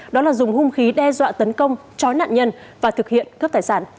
đó là dùng hung khí đe dọa tấn công chói nạn nhân và thực hiện cướp tài sản